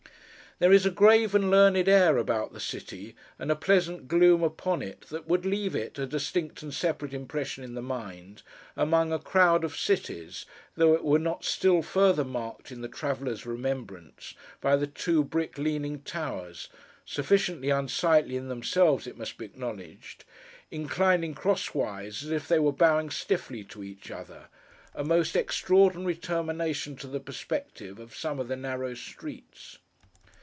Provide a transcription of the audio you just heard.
There is a grave and learned air about the city, and a pleasant gloom upon it, that would leave it, a distinct and separate impression in the mind, among a crowd of cities, though it were not still further marked in the traveller's remembrance by the two brick leaning towers (sufficiently unsightly in themselves, it must be acknowledged), inclining cross wise as if they were bowing stiffly to each other—a most extraordinary termination to the perspective of some of the narrow streets.